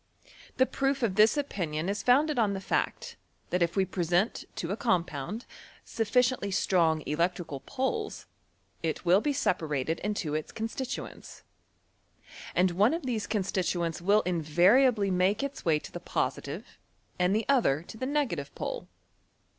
The proof of this opinion is founded oa the fact, that if we present to a compound, suffici ently strong electrical poles, it will be separated into its constituents, and one of these constituents will invariably make its way to the positive and the other to the negative pole.